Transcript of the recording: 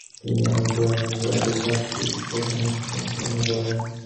তিনি আল কুরআনের শেষার্ধের তাফসির প্রথমে সমপন্ন করেন ।